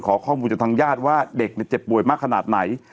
ขอข้อมูลจากทางญาติว่าเด็กเจ็บป่วยมากขนาดไหน